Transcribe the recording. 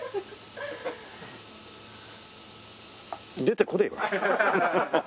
出てこねえわ。